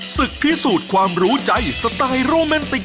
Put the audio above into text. ศึกพิสูจน์ความรู้ใจสไตล์โรแมนติก